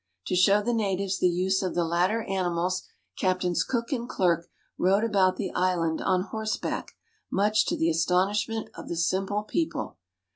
To show the natives the use of the latter animals. Captains Cook and Clerke rode about the island on horseback, much to the astonishment of the simple people.